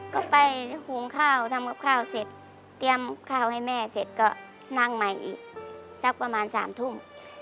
ก็ไปหุงข้าวทำกับข้าวเสร็จเตรียมข้าวให้แม่เสร็จก็นั่งใหม่อีกสักประมาณ๓ทุ่ม